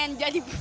pengen jadi batman